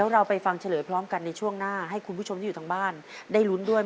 เราไปฟังเฉลยพร้อมกันในช่วงหน้าให้คุณผู้ชมที่อยู่ทางบ้านได้ลุ้นด้วย